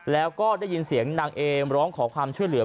แล้วก็ได้ยินเสียงนางเอมร้องขอความช่วยเหลือ